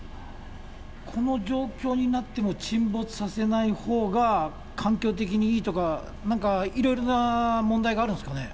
この状況になっても沈没させないほうが環境的にいいとか、なんか、いろいろな問題があるんですかね。